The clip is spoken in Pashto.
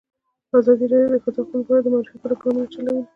ازادي راډیو د د ښځو حقونه په اړه د معارفې پروګرامونه چلولي.